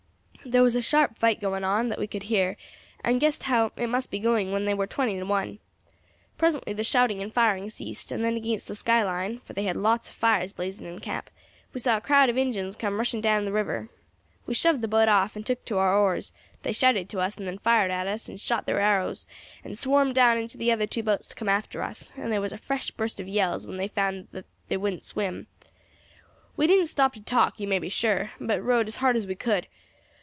"There was a sharp fight going on, that we could hear, and guessed how it must be going when they war twenty to one. Presently the shouting and firing ceased, and then against the sky line for they had lots of fires blazing in camp we saw a crowd of Injuns come rushing down to the river. We shoved the boat off, and took to our oars; they shouted to us, and then fired at us, and shot their arrows, and swarmed down into the other two boats to come after us, and there was a fresh burst of yells when they found that they wouldn't swim. We didn't stop to talk, you may be sure, but rowed as hard as we could.